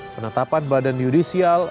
penetapan badan judicial